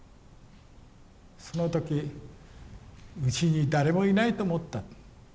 その時うちに誰もいないと思った。